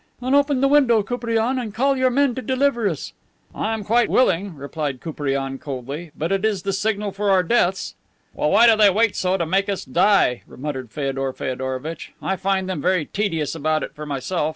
"Then open the window, Koupriane, and call your men to deliver us." "I am quite willing," replied Koupriane coldly, "but it is the signal for our deaths." "Well, why do they wait so to make us die?" muttered Feodor Feodorovitch. "I find them very tedious about it, for myself.